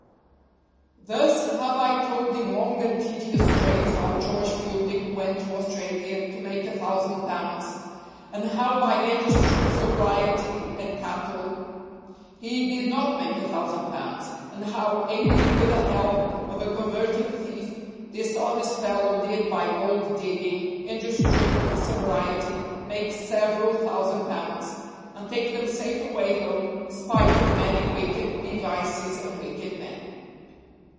THUS have I told in long and tedious strains how George Fielding went to Australia to make a thousand pounds, and how by industry, sobriety, and cattle, he did not make a thousand pounds, and how, aided with the help of a converted thief, this honest fellow did by gold digging, industry and sobriety, make several thousand pounds, and take them safe away home, spite of many wicked devices and wicked men.